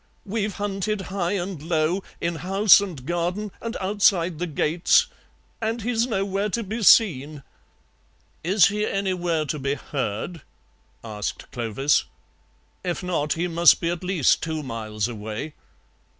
"We've hunted high and low, in house and garden and outside the gates, and he's nowhere to be seen." "Is he anywhere to be heard?" asked Clovis; "if not, he must be at least two miles away."